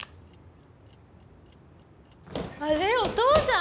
あれお父さん？